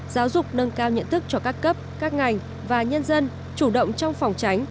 giáo dục nâng cao nhận thức cho các cấp các ngành và nhân dân chủ động trong phòng tránh